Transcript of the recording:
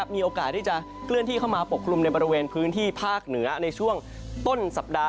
มีโอกาสที่จะเคลื่อนที่เข้ามาปกคลุมในบริเวณพื้นที่ภาคเหนือในช่วงต้นสัปดาห์